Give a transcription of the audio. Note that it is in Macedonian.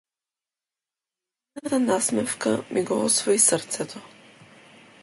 Нејзината насмевка ми го освои срцето.